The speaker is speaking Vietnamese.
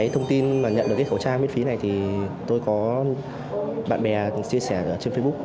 thông tin mà nhận được khẩu trang miễn phí này thì tôi có bạn bè chia sẻ trên facebook